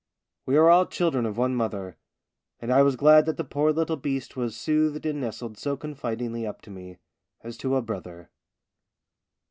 We are all children of one mother, and I was glad that the poor little beast was soothed and nestled so confidingly up to me, as to a brother.